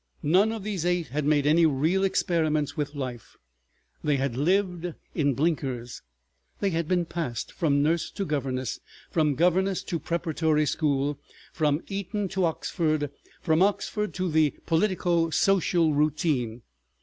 None of these eight had made any real experiments with life, they had lived in blinkers, they had been passed from nurse to governess, from governess to preparatory school, from Eton to Oxford, from Oxford to the politico social routine.